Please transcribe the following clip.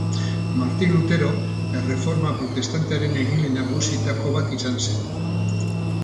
Martin Lutero erreforma protestantearen egile nagusietako bat izen zen.